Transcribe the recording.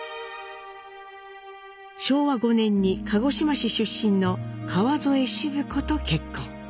昭和５年に鹿児島市出身の川添シヅ子と結婚。